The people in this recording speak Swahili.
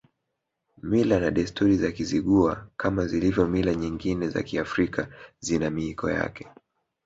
Mila na desturi za Kizigua kama zilivyo mila nyingine za Kiafrika zina miiko yake